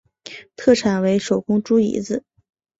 特产为手工猪胰子。